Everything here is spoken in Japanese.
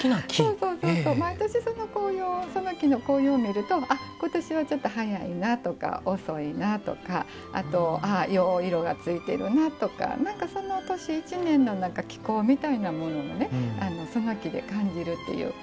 毎年、その木の紅葉を見るとことしは、ちょっと早いなとか遅いなとかあと、よう色がついてるなとかその年１年の気候みたいなものもその木で感じるというか。